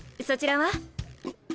そちらは？